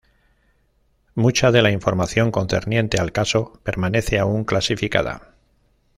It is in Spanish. Mucha de la información concerniente al caso permanece aún clasificada.